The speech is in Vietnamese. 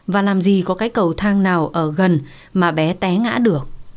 và làm gì có cái cầu thang nào ở gần mà bé té ngã được